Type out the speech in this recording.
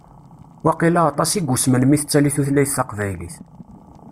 Waqila aṭas i yusmen mi tettali tutlayt taqbaylit.